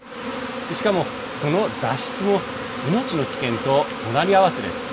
しかも、その脱出も命の危険と隣り合わせです。